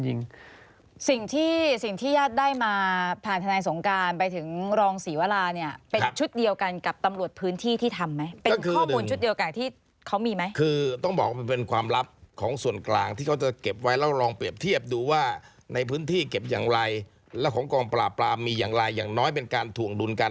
สิ่งที่สิ่งที่ญาติได้มาผ่านทนายสงการไปถึงรองศรีวราเนี่ยเป็นชุดเดียวกันกับตำรวจพื้นที่ที่ทำไหมเป็นข้อมูลชุดเดียวกับที่เขามีไหมคือต้องบอกว่ามันเป็นความลับของส่วนกลางที่เขาจะเก็บไว้แล้วลองเปรียบเทียบดูว่าในพื้นที่เก็บอย่างไรแล้วของกองปราบปรามมีอย่างไรอย่างน้อยเป็นการถ่วงดุลกัน